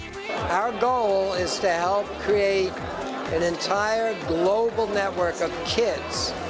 tujuan kami adalah membantu membuat sebuah jaringan global untuk anak anak